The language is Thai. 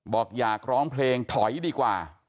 บอกอยากร้องเพลงถอยดีกว่า